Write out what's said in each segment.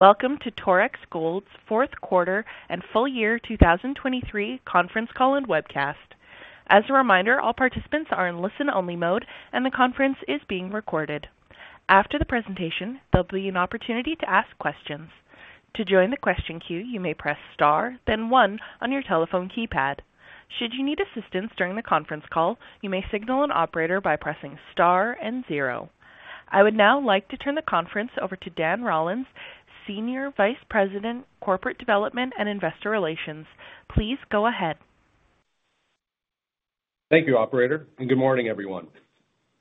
Welcome to Torex Gold's fourth quarter and full year 2023 conference call and webcast. As a reminder, all participants are in listen-only mode, and the conference is being recorded. After the presentation, there'll be an opportunity to ask questions. To join the question queue, you may press star then one on your telephone keypad. Should you need assistance during the conference call, you may signal an operator by pressing star and zero. I would now like to turn the conference over to Dan Rollins, Senior Vice President, Corporate Development and Investor Relations. Please go ahead. Thank you, operator, and good morning, everyone.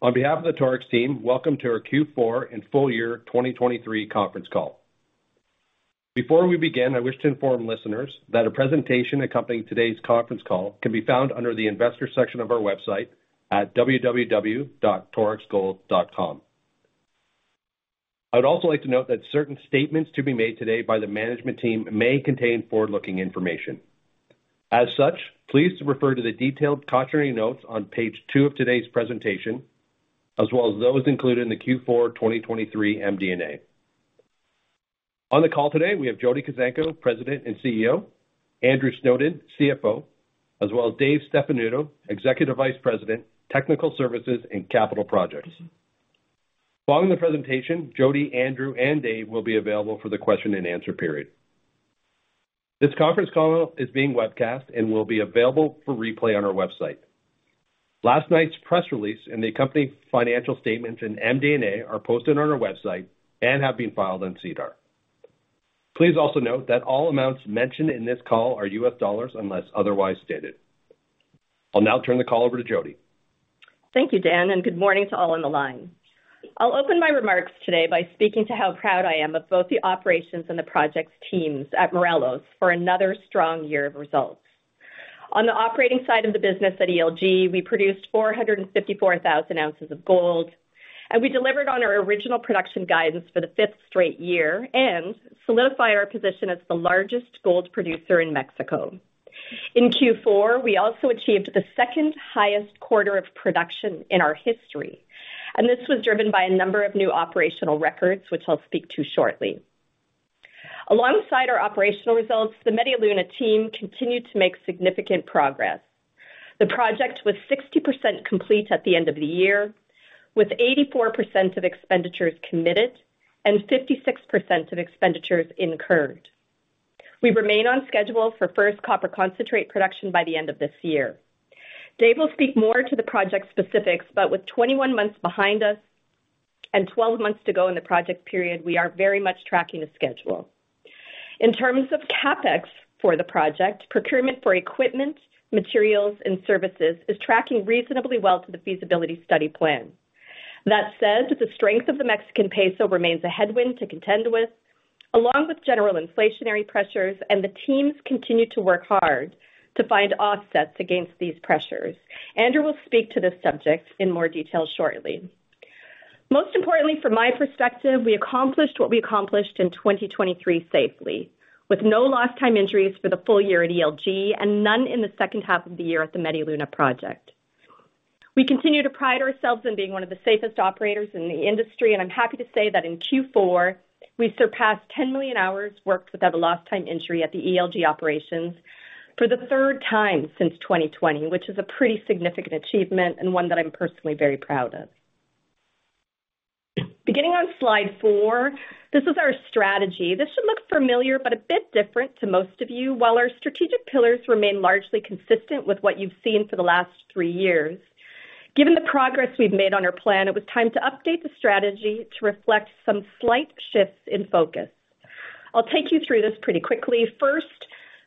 On behalf of the Torex team, welcome to our Q4 and full year 2023 conference call. Before we begin, I wish to inform listeners that a presentation accompanying today's conference call can be found under the Investor section of our website at www.torexgold.com. I would also like to note that certain statements to be made today by the management team may contain forward-looking information. As such, please refer to the detailed cautionary notes on page two of today's presentation, as well as those included in the Q4 2023 MD&A. On the call today, we have Jody Kuzenko, President and CEO, Andrew Snowden, CFO, as well as Dave Stefanuto, Executive Vice President, Technical Services and Capital Projects. Following the presentation, Jody, Andrew, and Dave will be available for the question and answer period. This conference call is being webcast and will be available for replay on our website. Last night's press release and the accompanying financial statements and MD&A are posted on our website and have been filed on SEDAR. Please also note that all amounts mentioned in this call are US dollars unless otherwise stated. I'll now turn the call over to Jody. Thank you, Dan, and good morning to all on the line. I'll open my remarks today by speaking to how proud I am of both the operations and the project's teams at Morelos for another strong year of results. On the operating side of the business at ELG, we produced 454,000 ounces of gold, and we delivered on our original production guidance for the fifth straight year and solidified our position as the largest gold producer in Mexico. In Q4, we also achieved the second-highest quarter of production in our history, and this was driven by a number of new operational records, which I'll speak to shortly. Alongside our operational results, the Media Luna team continued to make significant progress. The project was 60% complete at the end of the year, with 84% of expenditures committed and 56% of expenditures incurred. We remain on schedule for first copper concentrate production by the end of this year. Dave will speak more to the project specifics, but with 21 months behind us and 12 months to go in the project period, we are very much tracking the schedule. In terms of CapEx for the project, procurement for equipment, materials, and services is tracking reasonably well to the feasibility study plan. That said, the strength of the Mexican peso remains a headwind to contend with, along with general inflationary pressures, and the teams continue to work hard to find offsets against these pressures. Andrew will speak to this subject in more detail shortly. Most importantly, from my perspective, we accomplished what we accomplished in 2023 safely, with no lost-time injuries for the full year at ELG and none in the second half of the year at the Media Luna project. We continue to pride ourselves in being one of the safest operators in the industry, and I'm happy to say that in Q4, we surpassed 10 million hours worked without a lost-time injury at the ELG operations for the third time since 2020, which is a pretty significant achievement and one that I'm personally very proud of. Beginning on slide 4, this is our strategy. This should look familiar but a bit different to most of you, while our strategic pillars remain largely consistent with what you've seen for the last three years. Given the progress we've made on our plan, it was time to update the strategy to reflect some slight shifts in focus. I'll take you through this pretty quickly. First,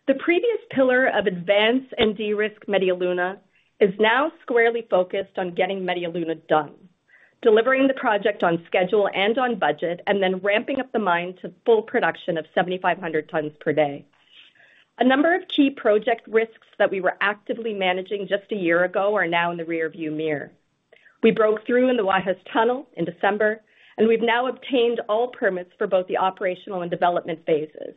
the previous pillar of advance and de-risk Media Luna is now squarely focused on getting Media Luna done, delivering the project on schedule and on budget, and then ramping up the mine to full production of 7,500 tons per day. A number of key project risks that we were actively managing just a year ago are now in the rearview mirror. We broke through in the Guajes Tunnel in December, and we've now obtained all permits for both the operational and development phases.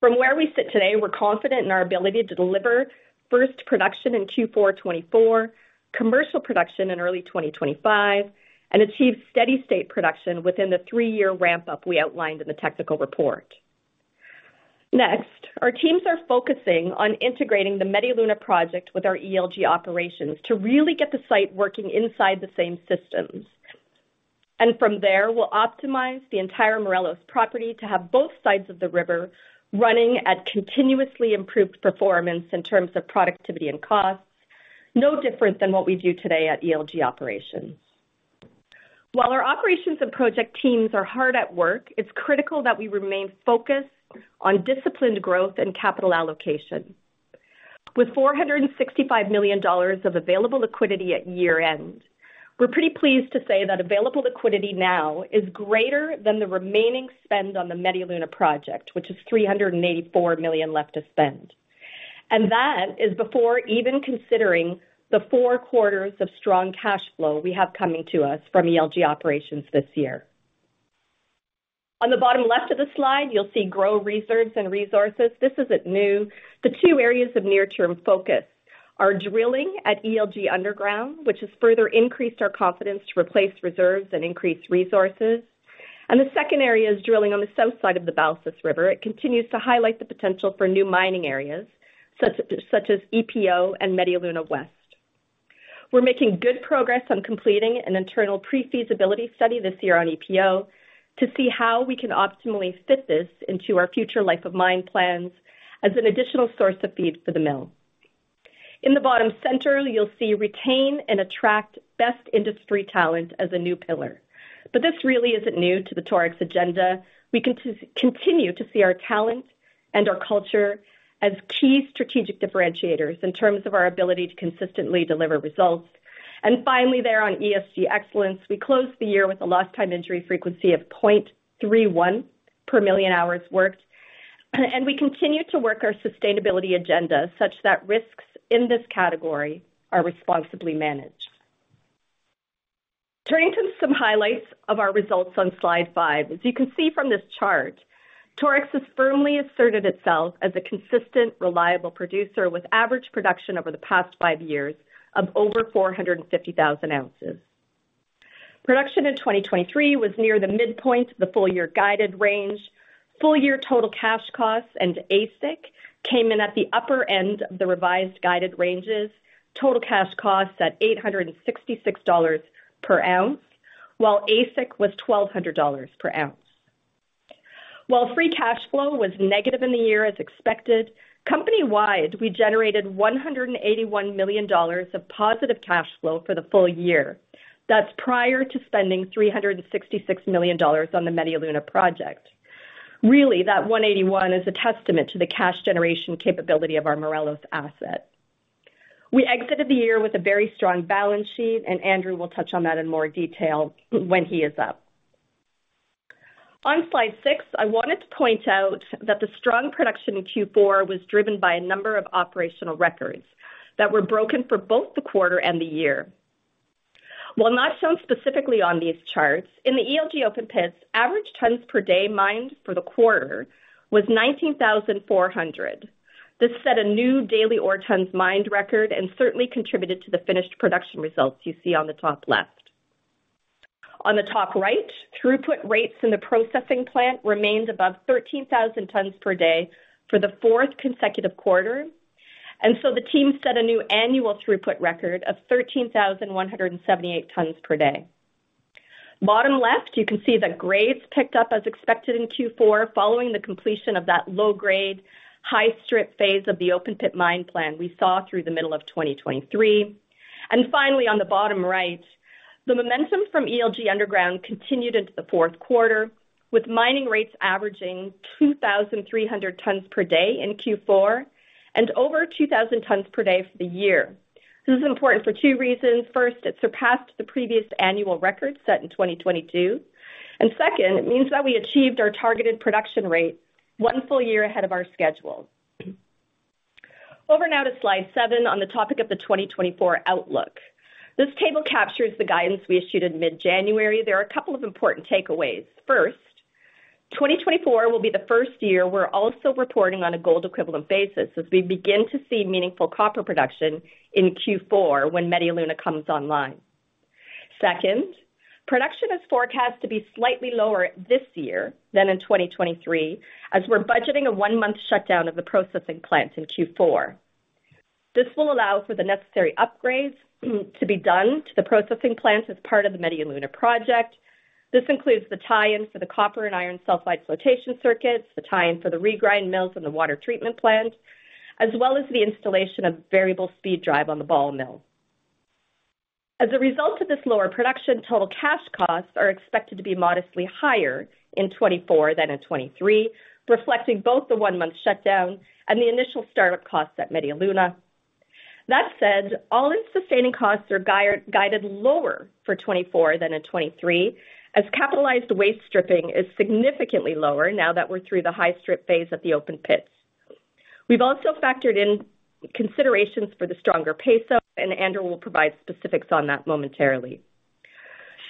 From where we sit today, we're confident in our ability to deliver first production in Q4 2024, commercial production in early 2025, and achieve steady-state production within the three-year ramp-up we outlined in the technical report. Next, our teams are focusing on integrating the Media Luna project with our ELG operations to really get the site working inside the same systems. From there, we'll optimize the entire Morelos Property to have both sides of the river running at continuously improved performance in terms of productivity and costs, no different than what we do today at ELG operations. While our operations and project teams are hard at work, it's critical that we remain focused on disciplined growth and capital allocation. With $465 million of available liquidity at year-end, we're pretty pleased to say that available liquidity now is greater than the remaining spend on the Media Luna project, which is $384 million left to spend. That is before even considering the four quarters of strong cash flow we have coming to us from ELG operations this year. On the bottom left of the slide, you'll see Grow Reserves and Resources. This isn't new. The two areas of near-term focus are drilling at ELG Underground, which has further increased our confidence to replace reserves and increase resources. And the second area is drilling on the south side of the Balsas River. It continues to highlight the potential for new mining areas such as EPO and Media Luna West. We're making good progress on completing an internal pre-feasibility study this year on EPO to see how we can optimally fit this into our future life-of-mine plans as an additional source of feed for the mill. In the bottom center, you'll see retain and attract best industry talent as a new pillar. But this really isn't new to the Torex agenda. We continue to see our talent and our culture as key strategic differentiators in terms of our ability to consistently deliver results. Finally, there on ESG excellence, we closed the year with a lost-time injury frequency of 0.31 per million hours worked, and we continue to work our sustainability agenda such that risks in this category are responsibly managed. Turning to some highlights of our results on slide 5, as you can see from this chart, Torex has firmly asserted itself as a consistent, reliable producer with average production over the past five years of over 450,000 ounces. Production in 2023 was near the midpoint of the full-year guided range. Full-year total cash costs and AISC came in at the upper end of the revised guided ranges, total cash costs at $866 per ounce, while AISC was $1,200 per ounce. While free cash flow was negative in the year as expected, company-wide, we generated $181 million of positive cash flow for the full year. That's prior to spending $366 million on the Media Luna project. Really, that $181 is a testament to the cash generation capability of our Morelos asset. We exited the year with a very strong balance sheet, and Andrew will touch on that in more detail when he is up. On slide 6, I wanted to point out that the strong production in Q4 was driven by a number of operational records that were broken for both the quarter and the year. While not shown specifically on these charts, in the ELG Open Pit, average tons per day mined for the quarter was 19,400. This set a new daily ore tons mined record and certainly contributed to the finished production results you see on the top left. On the top right, throughput rates in the processing plant remained above 13,000 tons per day for the fourth consecutive quarter, and so the team set a new annual throughput record of 13,178 tons per day. Bottom left, you can see that grades picked up as expected in Q4 following the completion of that low-grade, high-strip phase of the open pit mine plan we saw through the middle of 2023. And finally, on the bottom right, the momentum from ELG Underground continued into the fourth quarter, with mining rates averaging 2,300 tons per day in Q4 and over 2,000 tons per day for the year. This is important for two reasons. First, it surpassed the previous annual record set in 2022. And second, it means that we achieved our targeted production rate one full year ahead of our schedule. Over now to slide 7 on the topic of the 2024 outlook. This table captures the guidance we issued in mid-January. There are a couple of important takeaways. First, 2024 will be the first year we're also reporting on a gold equivalent basis as we begin to see meaningful copper production in Q4 when Media Luna comes online. Second, production is forecast to be slightly lower this year than in 2023 as we're budgeting a one-month shutdown of the processing plant in Q4. This will allow for the necessary upgrades to be done to the processing plant as part of the Media Luna project. This includes the tie-in for the copper and iron sulfide flotation circuits, the tie-in for the regrind mills and the water treatment plant, as well as the installation of variable-speed drive on the ball mill. As a result of this lower production, total cash costs are expected to be modestly higher in 2024 than in 2023, reflecting both the one-month shutdown and the initial startup costs at Media Luna. That said, all unsustaining costs are guided lower for 2024 than in 2023 as capitalized waste stripping is significantly lower now that we're through the high-strip phase at the open pits. We've also factored in considerations for the stronger peso, and Andrew will provide specifics on that momentarily.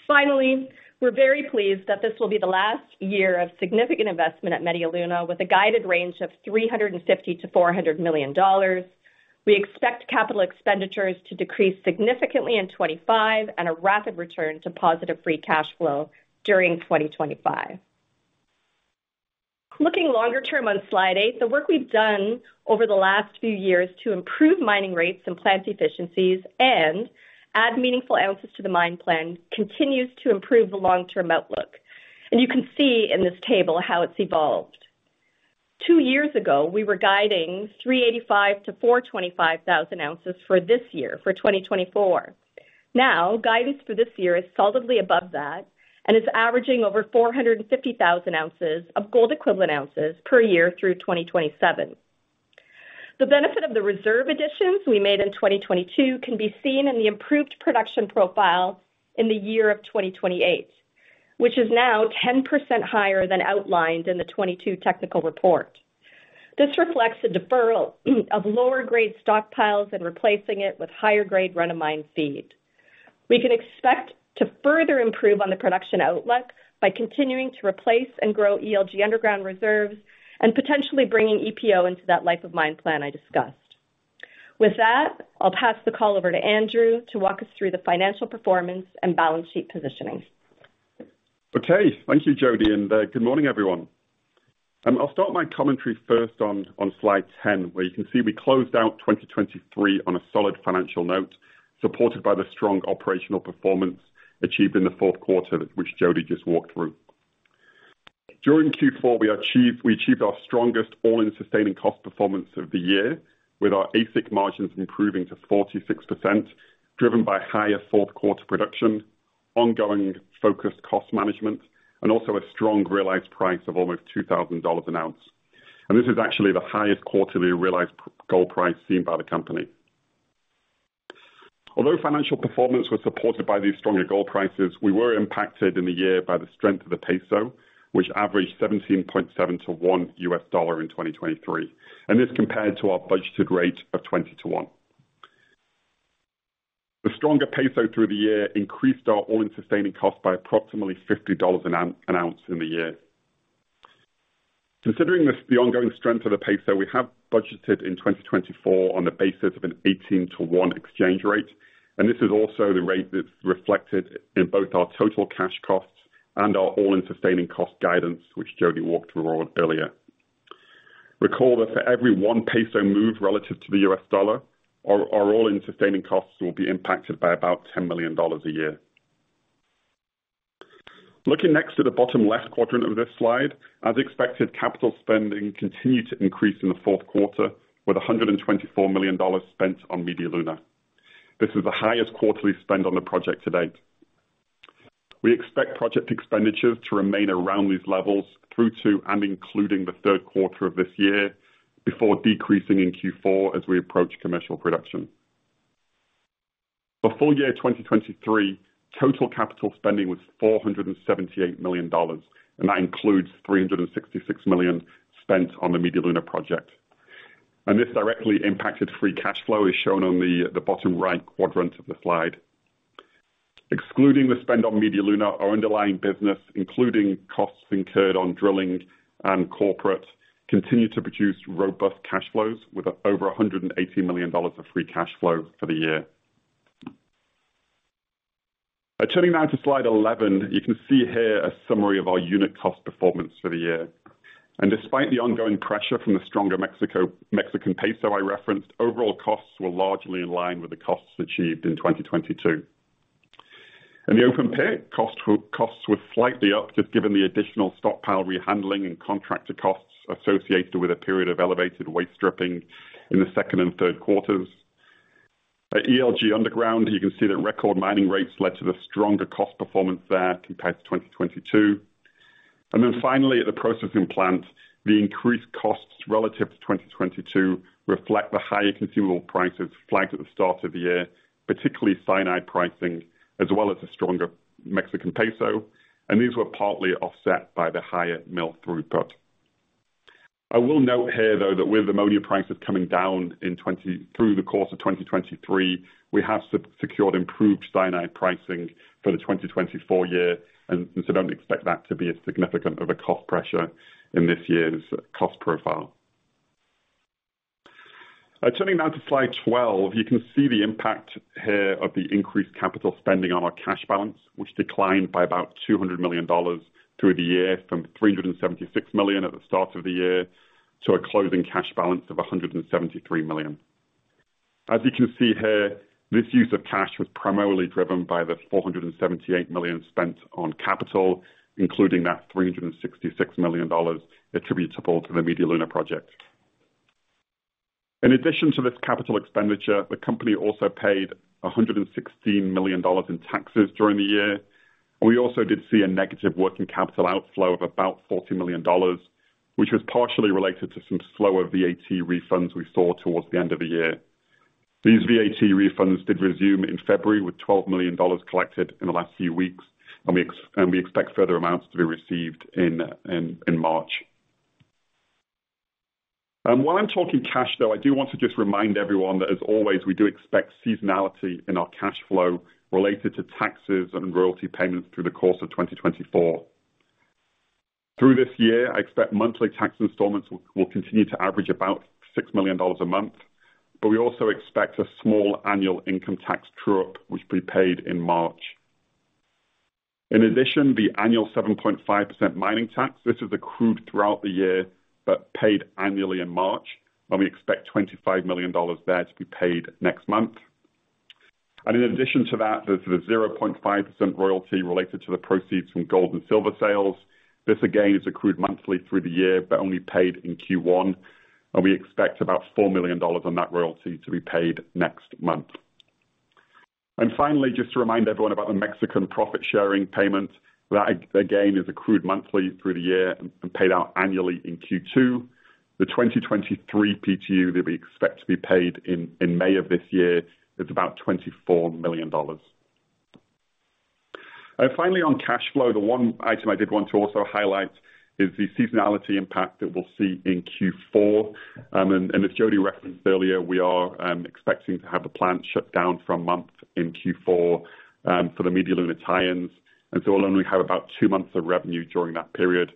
Finally, we're very pleased that this will be the last year of significant investment at Media Luna with a guided range of $350-$400 million. We expect capital expenditures to decrease significantly in 2025 and a rapid return to positive free cash flow during 2025. Looking longer-term on slide 8, the work we've done over the last few years to improve mining rates and plant efficiencies and add meaningful ounces to the mine plan continues to improve the long-term outlook. You can see in this table how it's evolved. Two years ago, we were guiding 385,000-425,000 ounces for this year, for 2024. Now, guidance for this year is solidly above that and is averaging over 450,000 ounces of gold equivalent ounces per year through 2027. The benefit of the reserve additions we made in 2022 can be seen in the improved production profile in the year of 2028, which is now 10% higher than outlined in the 2022 technical report. This reflects a deferral of lower-grade stockpiles and replacing it with higher-grade run-of-mine feed. We can expect to further improve on the production outlook by continuing to replace and grow ELG Underground reserves and potentially bringing EPO into that life-of-mine plan I discussed. With that, I'll pass the call over to Andrew to walk us through the financial performance and balance sheet positioning. Okay. Thank you, Jody. And good morning, everyone. I'll start my commentary first on slide 10, where you can see we closed out 2023 on a solid financial note supported by the strong operational performance achieved in the fourth quarter, which Jody just walked through. During Q4, we achieved our strongest all-in sustaining cost performance of the year, with our AISC margins improving to 46%, driven by higher fourth-quarter production, ongoing focused cost management, and also a strong realized price of almost $2,000 an ounce. And this is actually the highest quarterly realized gold price seen by the company. Although financial performance was supported by these stronger gold prices, we were impacted in the year by the strength of the peso, which averaged 17.7 to 1 US dollar in 2023. This compared to our budgeted rate of 20 to 1. The stronger peso through the year increased our all-in sustaining cost by approximately $50 an ounce in the year. Considering the ongoing strength of the peso, we have budgeted in 2024 on the basis of an 18 to 1 exchange rate. This is also the rate that's reflected in both our total cash costs and our all-in sustaining cost guidance, which Jody walked through earlier. Recall that for every one peso move relative to the US dollar, our all-in sustaining costs will be impacted by about $10 million a year. Looking next at the bottom left quadrant of this slide, as expected, capital spending continued to increase in the fourth quarter, with $124 million spent on Media Luna. This is the highest quarterly spend on the project to date. We expect project expenditures to remain around these levels through to and including the third quarter of this year before decreasing in Q4 as we approach commercial production. For full year 2023, total capital spending was $478 million, and that includes $366 million spent on the Media Luna project. This directly impacted free cash flow as shown on the bottom right quadrant of the slide. Excluding the spend on Media Luna, our underlying business, including costs incurred on drilling and corporate, continued to produce robust cash flows with over $180 million of free cash flow for the year. Turning now to slide 11, you can see here a summary of our unit cost performance for the year. Despite the ongoing pressure from the stronger Mexican peso I referenced, overall costs were largely in line with the costs achieved in 2022. In the open pit, costs were slightly up just given the additional stockpile rehandling and contractor costs associated with a period of elevated waste stripping in the second and third quarters. At ELG Underground, you can see that record mining rates led to the stronger cost performance there compared to 2022. Then finally, at the processing plant, the increased costs relative to 2022 reflect the higher consumable prices flagged at the start of the year, particularly cyanide pricing, as well as the stronger Mexican peso. These were partly offset by the higher mill throughput. I will note here, though, that with ammonia prices coming down through the course of 2023, we have secured improved cyanide pricing for the 2024 year. And so don't expect that to be as significant of a cost pressure in this year's cost profile. Turning now to slide 12, you can see the impact here of the increased capital spending on our cash balance, which declined by about $200 million through the year from $376 million at the start of the year to a closing cash balance of $173 million. As you can see here, this use of cash was primarily driven by the $478 million spent on capital, including that $366 million attributable to the Media Luna project. In addition to this capital expenditure, the company also paid $116 million in taxes during the year. We also did see a negative working capital outflow of about $40 million, which was partially related to some slower VAT refunds we saw towards the end of the year. These VAT refunds did resume in February with $12 million collected in the last few weeks. We expect further amounts to be received in March. While I'm talking cash, though, I do want to just remind everyone that, as always, we do expect seasonality in our cash flow related to taxes and royalty payments through the course of 2024. Through this year, I expect monthly tax installments will continue to average about $6 million a month. But we also expect a small annual income tax true-up, which will be paid in March. In addition, the annual 7.5% mining tax. This is accrued throughout the year but paid annually in March. We expect $25 million there to be paid next month. In addition to that, there's the 0.5% royalty related to the proceeds from gold and silver sales. This, again, is accrued monthly through the year but only paid in Q1. We expect about $4 million on that royalty to be paid next month. Finally, just to remind everyone about the Mexican profit-sharing payment, that, again, is accrued monthly through the year and paid out annually in Q2. The 2023 PTU that we expect to be paid in May of this year is about $24 million. Finally, on cash flow, the one item I did want to also highlight is the seasonality impact that we'll see in Q4. As Jody referenced earlier, we are expecting to have the plant shut down for a month in Q4 for the Media Luna tie-ins. So we'll only have about two months of revenue during that period.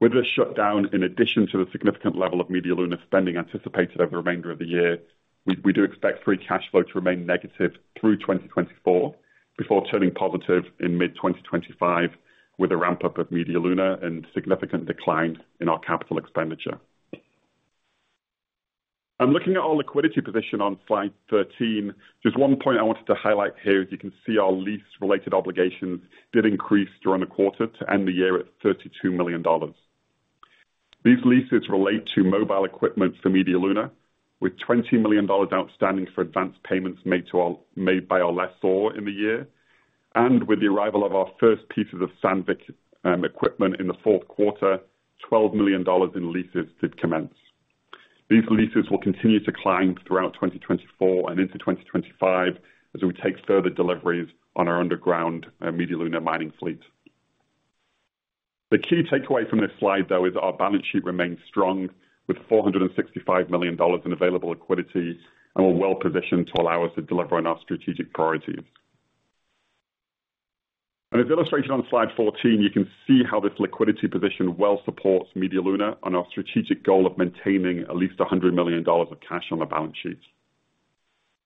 With this shutdown, in addition to the significant level of Media Luna spending anticipated over the remainder of the year, we do expect free cash flow to remain negative through 2024 before turning positive in mid-2025 with a ramp-up of Media Luna and significant decline in our capital expenditure. Looking at our liquidity position on slide 13, just one point I wanted to highlight here. You can see our lease-related obligations did increase during the quarter to end the year at $32 million. These leases relate to mobile equipment for Media Luna, with $20 million outstanding for advance payments made by our lessor in the year. With the arrival of our first pieces of Sandvik equipment in the fourth quarter, $12 million in leases did commence. These leases will continue to climb throughout 2024 and into 2025 as we take further deliveries on our underground Media Luna mining fleet. The key takeaway from this slide, though, is our balance sheet remains strong with $465 million in available liquidity and we're well-positioned to allow us to deliver on our strategic priorities. As illustrated on slide 14, you can see how this liquidity position well supports Media Luna on our strategic goal of maintaining at least $100 million of cash on the balance sheet.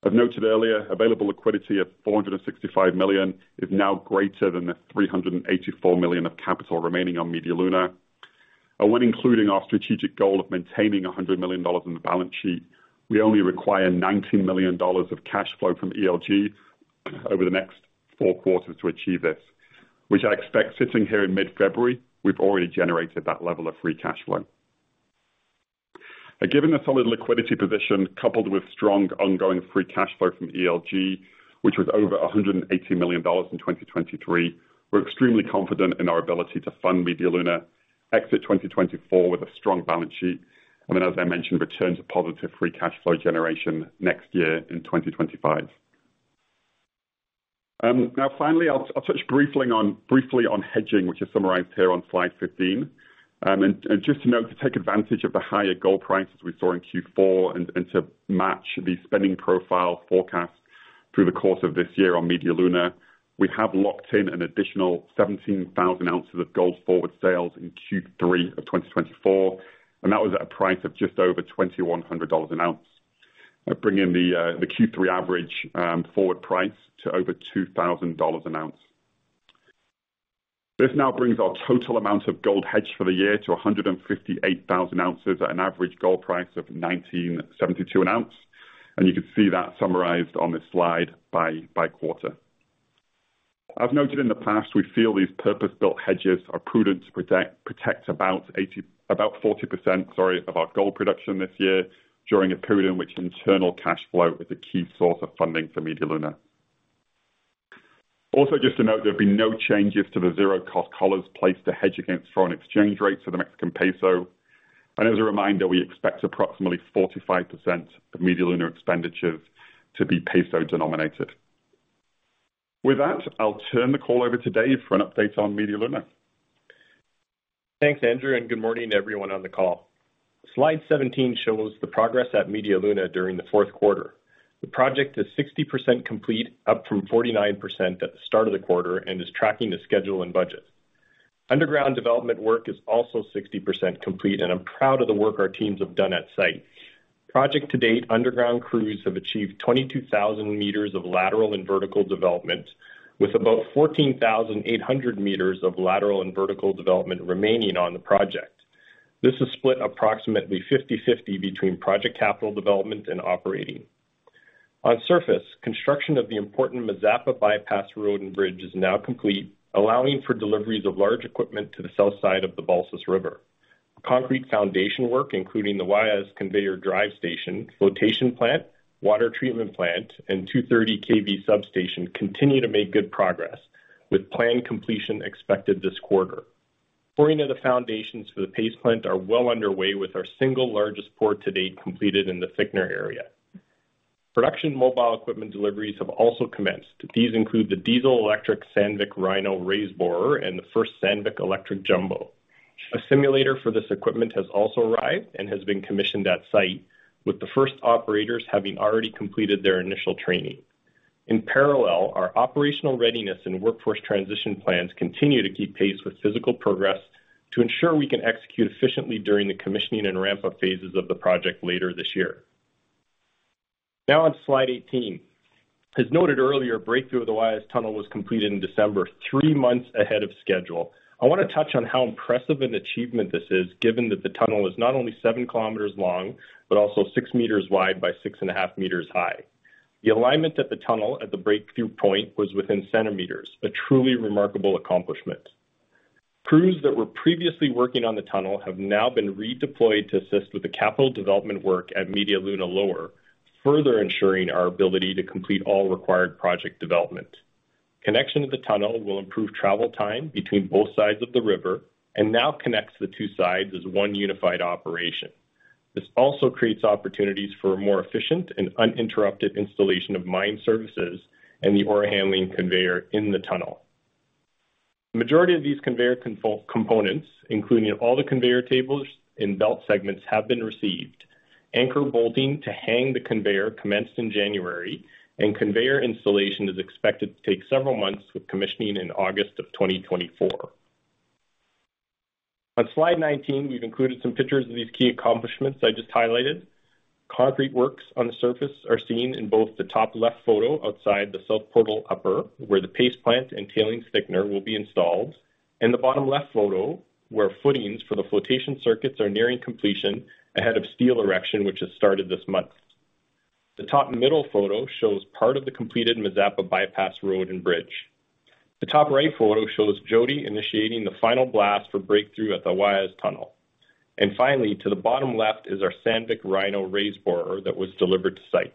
As noted earlier, available liquidity of $465 million is now greater than the $384 million of capital remaining on Media Luna. When including our strategic goal of maintaining $100 million in the balance sheet, we only require $19 million of cash flow from ELG over the next four quarters to achieve this, which I expect sitting here in mid-February, we've already generated that level of free cash flow. Given the solid liquidity position coupled with strong ongoing free cash flow from ELG, which was over $180 million in 2023, we're extremely confident in our ability to fund Media Luna, exit 2024 with a strong balance sheet, and then, as I mentioned, return to positive free cash flow generation next year in 2025. Now, finally, I'll touch briefly on hedging, which is summarized here on slide 15. Just to note, to take advantage of the higher gold prices we saw in Q4 and to match the spending profile forecast through the course of this year on Media Luna, we have locked in an additional 17,000 ounces of gold forward sales in Q3 of 2024. That was at a price of just over $2,100 an ounce, bringing the Q3 average forward price to over $2,000 an ounce. This now brings our total amount of gold hedged for the year to 158,000 ounces at an average gold price of $1,972 an ounce. You can see that summarized on this slide by quarter. As noted in the past, we feel these purpose-built hedges are prudent to protect about 40%, sorry, of our gold production this year during a period in which internal cash flow is a key source of funding for Media Luna. Also, just to note, there have been no changes to the zero-cost collars placed to hedge against foreign exchange rates for the Mexican peso. As a reminder, we expect approximately 45% of Media Luna expenditures to be peso denominated. With that, I'll turn the call over to Dave for an update on Media Luna. Thanks, Andrew. Good morning, everyone on the call. Slide 17 shows the progress at Media Luna during the fourth quarter. The project is 60% complete, up from 49% at the start of the quarter, and is tracking the schedule and budget. Underground development work is also 60% complete. I'm proud of the work our teams have done at site. Project to date, underground crews have achieved 22,000 meters of lateral and vertical development, with about 14,800 meters of lateral and vertical development remaining on the project. This has split approximately 50/50 between project capital development and operating. On surface, construction of the important Mazapa Bypass Road and Bridge is now complete, allowing for deliveries of large equipment to the south side of the Balsas River. Concrete foundation work, including the Guajes Conveyor Drive Station, flotation plant, water treatment plant, and 230 kV substation, continue to make good progress, with planned completion expected this quarter. Pouring of the foundations for the Paste Plant are well underway, with our single largest pour to date completed in the Thickener area. Production mobile equipment deliveries have also commenced. These include the diesel electric Sandvik Rhino RaiseBorer and the first Sandvik electric Jumbo. A simulator for this equipment has also arrived and has been commissioned at site, with the first operators having already completed their initial training. In parallel, our operational readiness and workforce transition plans continue to keep pace with physical progress to ensure we can execute efficiently during the commissioning and ramp-up phases of the project later this year. Now, on slide 18, as noted earlier, a breakthrough of the Guajes Tunnel was completed in December, 3 months ahead of schedule. I want to touch on how impressive an achievement this is, given that the tunnel is not only 7 kilometers long but also 6 meters wide by 6.5 meters high. The alignment at the tunnel at the breakthrough point was within centimeters, a truly remarkable accomplishment. Crews that were previously working on the tunnel have now been redeployed to assist with the capital development work at Media Luna Lower, further ensuring our ability to complete all required project development. Connection to the tunnel will improve travel time between both sides of the river and now connects the two sides as one unified operation. This also creates opportunities for a more efficient and uninterrupted installation of mine services and the ore handling conveyor in the tunnel. The majority of these conveyor components, including all the conveyor tables and belt segments, have been received. Anchor bolting to hang the conveyor commenced in January. Conveyor installation is expected to take several months, with commissioning in August of 2024. On slide 19, we've included some pictures of these key accomplishments I just highlighted. Concrete works on the surface are seen in both the top left photo outside the south portal upper, where the PACE Plant and tailings thickener will be installed, and the bottom left photo, where footings for the flotation circuits are nearing completion ahead of steel erection, which has started this month. The top middle photo shows part of the completed Mazapa Bypass Road and Bridge. The top right photo shows Jody initiating the final blast for breakthrough at the Guajes Tunnel. Finally, to the bottom left is our Sandvik Rhino RaiseBorer that was delivered to site.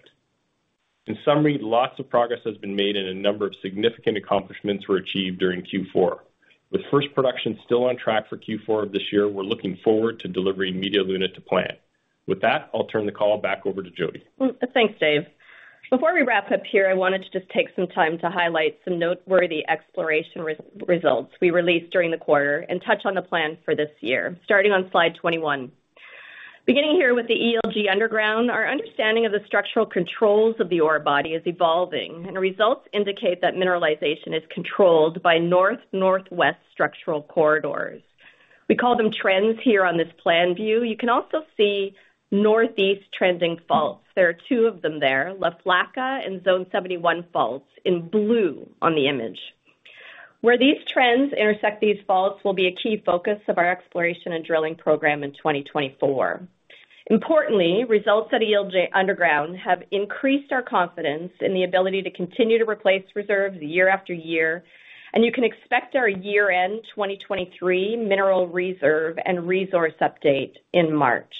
In summary, lots of progress has been made, and a number of significant accomplishments were achieved during Q4. With first production still on track for Q4 of this year, we're looking forward to delivering Media Luna to plant. With that, I'll turn the call back over to Jody. Thanks, Dave. Before we wrap up here, I wanted to just take some time to highlight some noteworthy exploration results we released during the quarter and touch on the plan for this year, starting on slide 21. Beginning here with the ELG Underground, our understanding of the structural controls of the ore body is evolving. Results indicate that mineralization is controlled by north-northwest structural corridors. We call them trends here on this plan view. You can also see northeast trending faults. There are two of them there, La Flaca and Zone 71 faults, in blue on the image. Where these trends intersect these faults will be a key focus of our exploration and drilling program in 2024. Importantly, results at ELG Underground have increased our confidence in the ability to continue to replace reserves year after year. You can expect our year-end 2023 mineral reserve and resource update in March.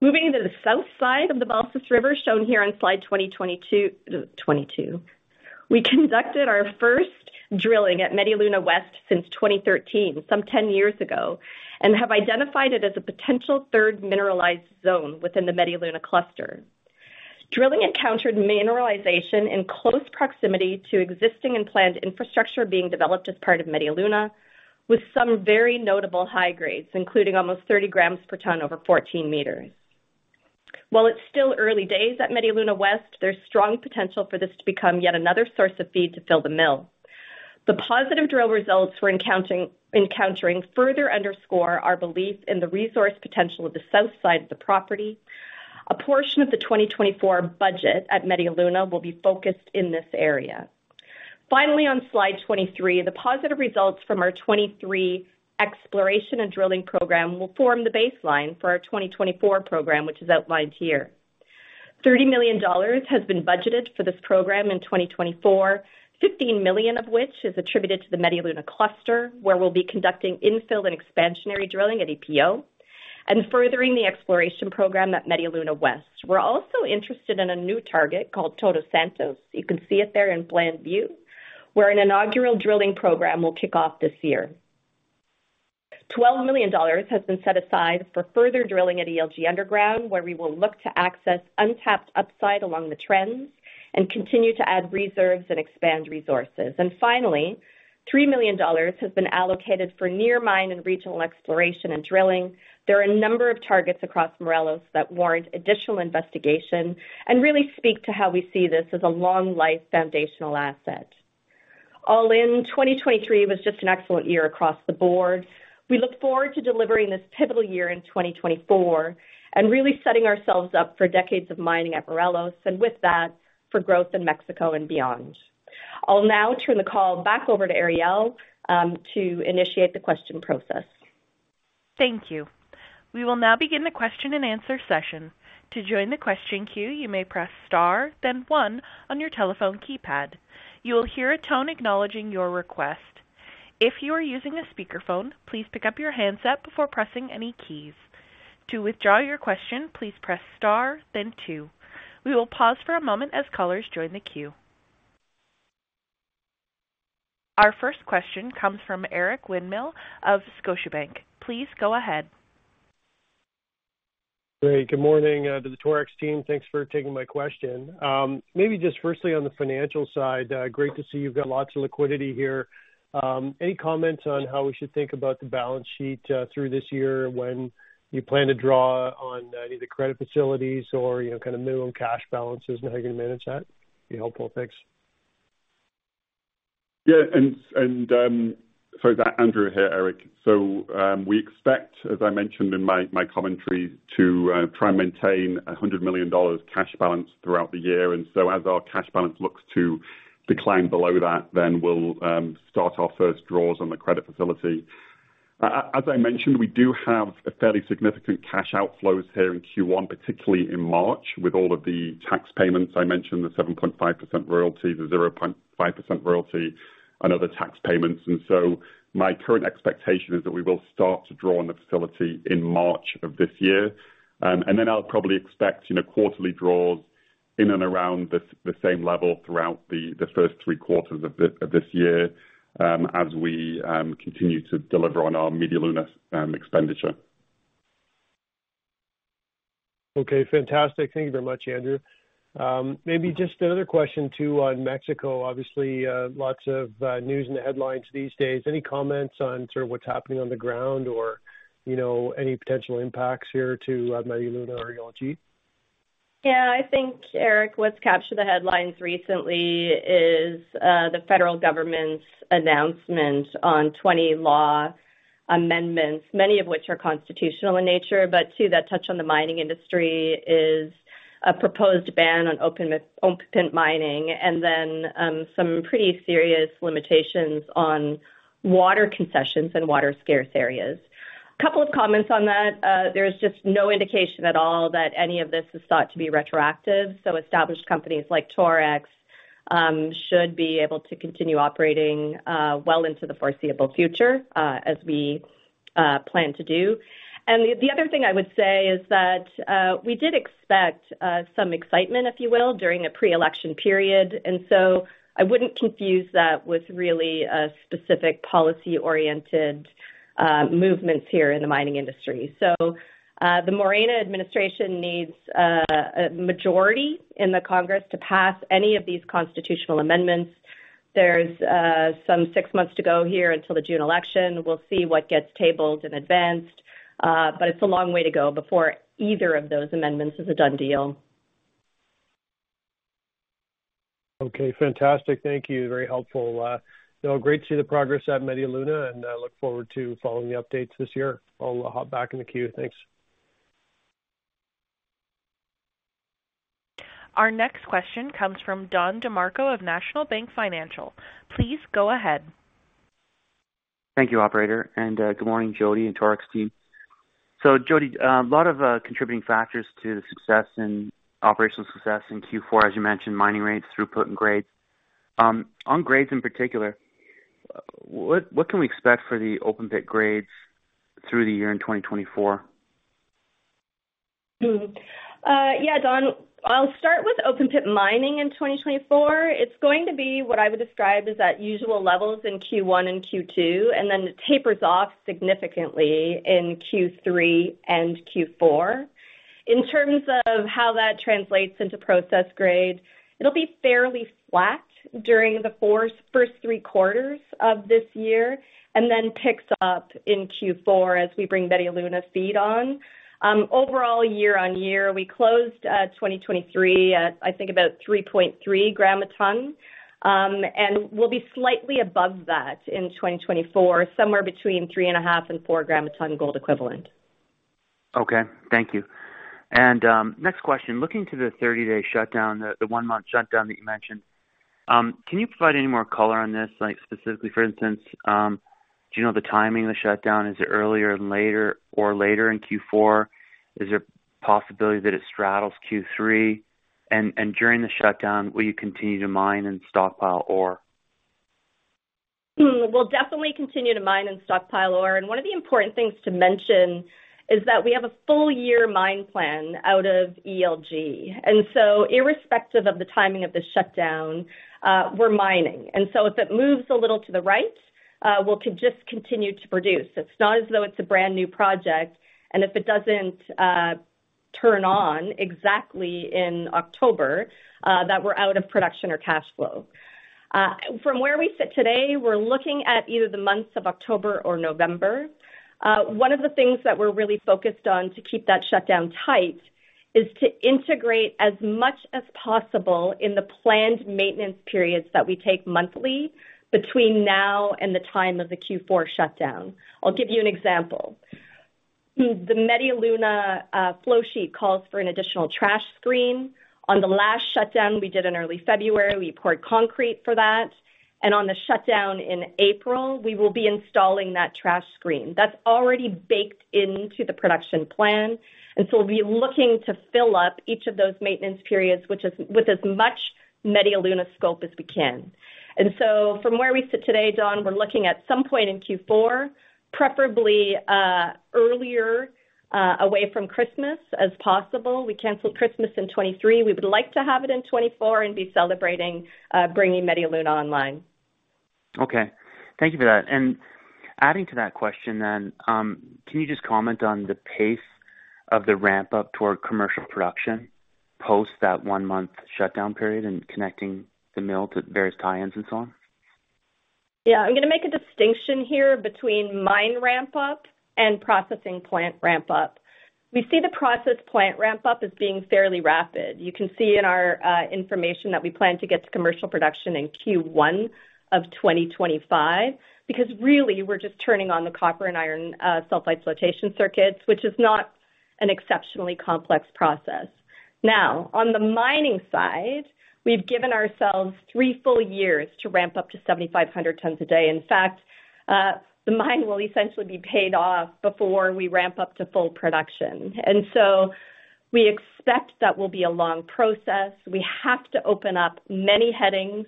Moving to the south side of the Balsas River, shown here on slide 2022, we conducted our first drilling at Media Luna West since 2013, some 10 years ago, and have identified it as a potential third mineralized zone within the Media Luna cluster. Drilling encountered mineralization in close proximity to existing and planned infrastructure being developed as part of Media Luna, with some very notable high grades, including almost 30 grams per ton over 14 meters. While it's still early days at Media Luna West, there's strong potential for this to become yet another source of feed to fill the mill. The positive drill results we're encountering further underscore our belief in the resource potential of the south side of the property. A portion of the 2024 budget at Media Luna will be focused in this area. Finally, on slide 23, the positive results from our 2023 exploration and drilling program will form the baseline for our 2024 program, which is outlined here. $30 million has been budgeted for this program in 2024, $15 million of which is attributed to the Media Luna cluster, where we'll be conducting infill and expansionary drilling at EPO, and furthering the exploration program at Media Luna West. We're also interested in a new target called Todos Santos. You can see it there in plan view, where an inaugural drilling program will kick off this year. $12 million has been set aside for further drilling at ELG Underground, where we will look to access untapped upside along the trends and continue to add reserves and expand resources. And finally, $3 million has been allocated for near-mine and regional exploration and drilling. There are a number of targets across Morelos that warrant additional investigation and really speak to how we see this as a long-life, foundational asset. All in, 2023 was just an excellent year across the board. We look forward to delivering this pivotal year in 2024 and really setting ourselves up for decades of mining at Morelos and, with that, for growth in Mexico and beyond. I'll now turn the call back over to Arielle to initiate the question process. Thank you. We will now begin the question-and-answer session. To join the question queue, you may press star, then one on your telephone keypad. You will hear a tone acknowledging your request. If you are using a speakerphone, please pick up your handset before pressing any keys. To withdraw your question, please press star, then two. We will pause for a moment as callers join the queue. Our first question comes from Eric Winmill of Scotiabank. Please go ahead. Great. Good morning to the Torex team. Thanks for taking my question. Maybe just firstly, on the financial side, great to see you've got lots of liquidity here. Any comments on how we should think about the balance sheet through this year when you plan to draw on any of the credit facilities or kind of minimum cash balances and how you're going to manage that? Be helpful. Thanks. Yeah. And sorry, Andrew here, Eric. So we expect, as I mentioned in my commentary, to try and maintain $100 million cash balance throughout the year. And so as our cash balance looks to decline below that, then we'll start our first draws on the credit facility. As I mentioned, we do have fairly significant cash outflows here in Q1, particularly in March, with all of the tax payments I mentioned, the 7.5% royalty, the 0.5% royalty, and other tax payments. And so my current expectation is that we will start to draw on the facility in March of this year. And then I'll probably expect quarterly draws in and around the same level throughout the first three quarters of this year as we continue to deliver on our Media Luna expenditure. Okay. Fantastic. Thank you very much, Andrew. Maybe just another question, too, on Mexico. Obviously, lots of news in the headlines these days. Any comments on sort of what's happening on the ground or any potential impacts here to Media Luna or ELG? Yeah. I think, Eric, what's captured in the headlines recently is the federal government's announcement on 20 law amendments, many of which are constitutional in nature. But two that touch on the mining industry is a proposed ban on open-pit mining and then some pretty serious limitations on water concessions and water-scarce areas. A couple of comments on that. There's just no indication at all that any of this is thought to be retroactive. So established companies like Torex should be able to continue operating well into the foreseeable future, as we plan to do. And the other thing I would say is that we did expect some excitement, if you will, during a pre-election period. And so I wouldn't confuse that with really specific policy-oriented movements here in the mining industry. So the Morena administration needs a majority in Congress to pass any of these constitutional amendments. There's some six months to go here until the June election. We'll see what gets tabled in advance. It's a long way to go before either of those amendments is a done deal. Okay. Fantastic. Thank you. Very helpful. Great to see the progress at Media Luna. I look forward to following the updates this year. I'll hop back in the queue. Thanks. Our next question comes from Don DeMarco of National Bank Financial. Please go ahead. Thank you, operator. Good morning, Jody and Torex team. Jody, a lot of contributing factors to the operational success in Q4, as you mentioned, mining rates, throughput, and grades. On grades in particular, what can we expect for the open-pit grades through the year in 2024? Yeah, Don. I'll start with open-pit mining in 2024. It's going to be what I would describe as at usual levels in Q1 and Q2, and then it tapers off significantly in Q3 and Q4. In terms of how that translates into process grade, it'll be fairly flat during the first three quarters of this year and then picks up in Q4 as we bring Media Luna feed on. Overall, year-over-year, we closed 2023 at, I think, about 3.3 gram a ton. And we'll be slightly above that in 2024, somewhere between 3.5-4 gram a ton gold equivalent. Okay. Thank you. And next question, looking to the 30-day shutdown, the one-month shutdown that you mentioned, can you provide any more color on this specifically? For instance, do you know the timing of the shutdown? Is it earlier or later in Q4? Is there a possibility that it straddles Q3? During the shutdown, will you continue to mine and stockpile ore? We'll definitely continue to mine and stockpile ore. And one of the important things to mention is that we have a full-year mine plan out of ELG. And so irrespective of the timing of the shutdown, we're mining. And so if it moves a little to the right, we'll just continue to produce. It's not as though it's a brand new project. And if it doesn't turn on exactly in October, that we're out of production or cash flow. From where we sit today, we're looking at either the months of October or November. One of the things that we're really focused on to keep that shutdown tight is to integrate as much as possible in the planned maintenance periods that we take monthly between now and the time of the Q4 shutdown. I'll give you an example. The Media Luna flow sheet calls for an additional trash screen. On the last shutdown we did in early February, we poured concrete for that. On the shutdown in April, we will be installing that trash screen. That's already baked into the production plan. So we'll be looking to fill up each of those maintenance periods with as much Media Luna scope as we can. From where we sit today, Don, we're looking at some point in Q4, preferably earlier away from Christmas as possible. We canceled Christmas in 2023. We would like to have it in 2024 and be celebrating bringing Media Luna online. Okay. Thank you for that. Adding to that question then, can you just comment on the pace of the ramp-up toward commercial production post that one-month shutdown period and connecting the mill to various tie-ins and so on? Yeah. I'm going to make a distinction here between mine ramp-up and processing plant ramp-up. We see the process plant ramp-up as being fairly rapid. You can see in our information that we plan to get to commercial production in Q1 of 2025 because, really, we're just turning on the copper and iron sulfide flotation circuits, which is not an exceptionally complex process. Now, on the mining side, we've given ourselves three full years to ramp up to 7,500 tons a day. In fact, the mine will essentially be paid off before we ramp up to full production. And so we expect that will be a long process. We have to open up many headings.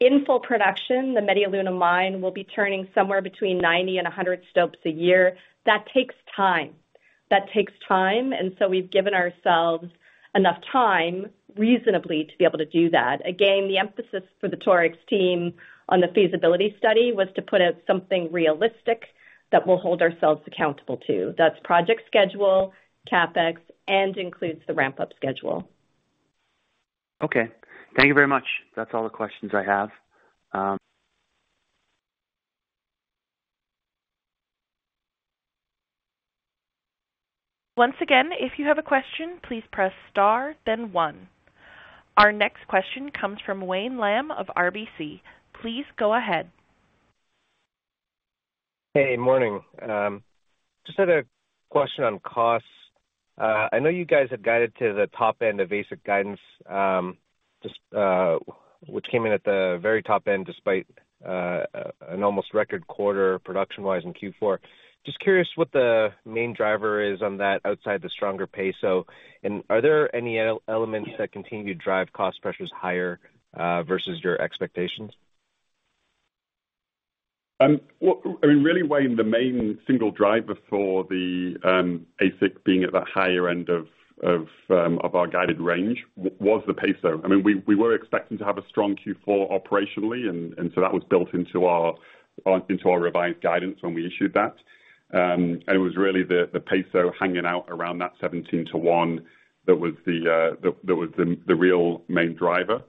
In full production, the Media Luna mine will be turning somewhere between 90-100 stopes a year. That takes time. That takes time. And so we've given ourselves enough time, reasonably, to be able to do that. Again, the emphasis for the Torex team on the feasibility study was to put out something realistic that we'll hold ourselves accountable to. That's project schedule, CapEx, and includes the ramp-up schedule. Okay. Thank you very much. That's all the questions I have. Once again, if you have a question, please press star, then one. Our next question comes from Wayne Lam of RBC. Please go ahead. Hey. Morning. Just had a question on costs. I know you guys had guided to the top-end of AISC guidance, which came in at the very top end despite an almost record quarter production-wise in Q4. Just curious what the main driver is on that outside the stronger peso. And are there any elements that continue to drive cost pressures higher versus your expectations? I mean, really, Wayne, the main single driver for the AISC being at that higher end of our guided range was the peso. I mean, we were expecting to have a strong Q4 operationally. And so that was built into our revised guidance when we issued that. And it was really the peso hanging out around that 17 to 1 that was the real main driver.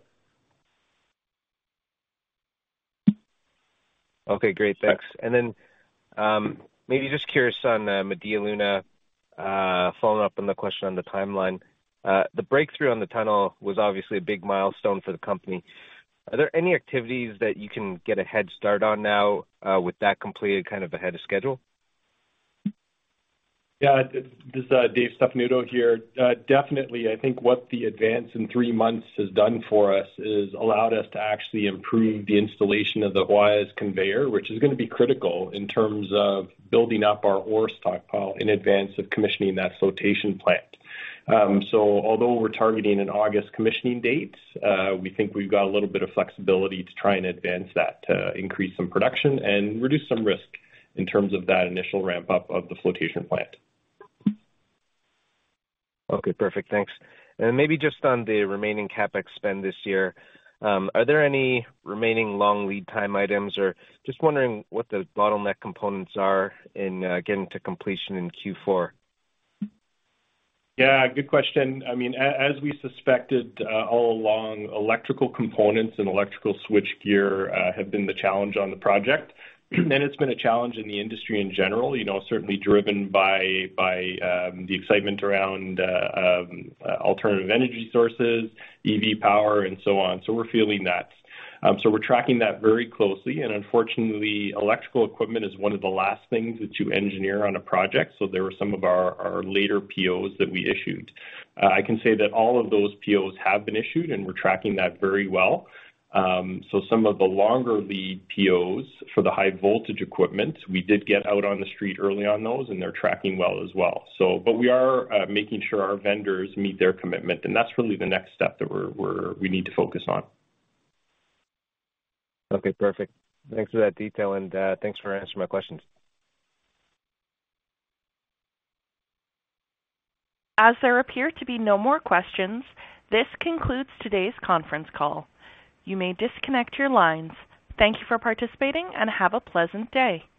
Okay. Great. Thanks. And then maybe just curious on Media Luna, following up on the question on the timeline, the breakthrough on the tunnel was obviously a big milestone for the company. Are there any activities that you can get a head start on now with that completed kind of ahead of schedule? Yeah. This is Dave Stefanuto here. Definitely, I think what the advance in 3 months has done for us is allowed us to actually improve the installation of the Guajes conveyor, which is going to be critical in terms of building up our ore stockpile in advance of commissioning that flotation plant. So although we're targeting an August commissioning date, we think we've got a little bit of flexibility to try and advance that to increase some production and reduce some risk in terms of that initial ramp-up of the flotation plant. Okay. Perfect. Thanks. And maybe just on the remaining CapEx spend this year, are there any remaining long lead time items? Or just wondering what the bottleneck components are in getting to completion in Q4. Yeah. Good question. I mean, as we suspected all along, electrical components and electrical switchgear have been the challenge on the project. It's been a challenge in the industry in general, certainly driven by the excitement around alternative energy sources, EV power, and so on. We're feeling that. We're tracking that very closely. Unfortunately, electrical equipment is one of the last things that you engineer on a project. There were some of our later POs that we issued. I can say that all of those POs have been issued, and we're tracking that very well. Some of the longer lead POs for the high-voltage equipment, we did get out on the street early on those, and they're tracking well as well. But we are making sure our vendors meet their commitment. That's really the next step that we need to focus on. Okay. Perfect. Thanks for that detail. Thanks for answering my questions. As there appear to be no more questions, this concludes today's conference call. You may disconnect your lines. Thank you for participating, and have a pleasant day.